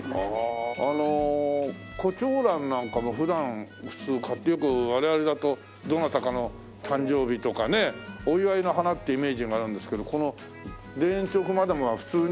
胡蝶蘭なんかも普段普通買っていく我々だとどなたかの誕生日とかねお祝いの花ってイメージがあるんですけどこの田園調布マダムは普通に。